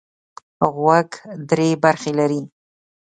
غوږ درې برخې لري.